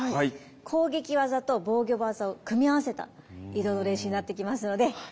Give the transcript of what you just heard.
攻撃技と防御技を組み合わせた移動の練習になってきますので。